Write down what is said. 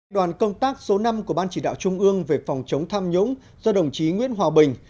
đoàn công tác số năm của ban chỉ đạo trung ương về phòng chống tham nhũng do đồng chí nguyễn hòa bình